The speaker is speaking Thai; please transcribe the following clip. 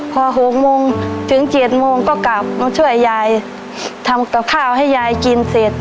พอหกโมงถึงเจ็ดโมงก็กลับมาช่วยยายทำกับข้าวให้ยายกินเสร็จ